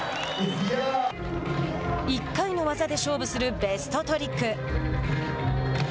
１回の技で勝負するベストトリック。